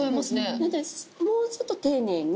なのでもうちょっと丁寧に。